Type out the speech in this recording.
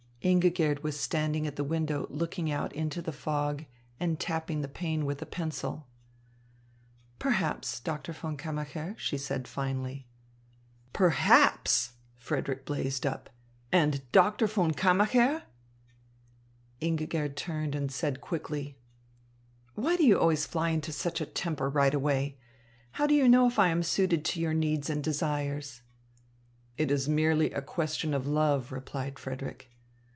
Ingigerd was standing at the window looking out into the fog and tapping the pane with a pencil. "Perhaps, Doctor von Kammacher," she said finally. "Perhaps!" Frederick blazed up. "And Doctor von Kammacher!" Ingigerd turned and said quickly: "Why do you always fly into such a temper right away? How do I know if I am suited to your needs and desires?" "It is merely a question of love," replied Frederick.